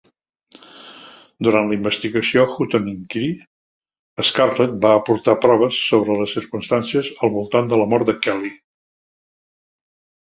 Durant la investigació Hutton Inquiry, Scarlett va aportar proves sobre les circumstàncies al voltant de la mort de Kelly.